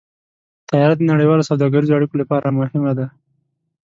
طیاره د نړیوالو سوداګریزو اړیکو لپاره مهمه ده.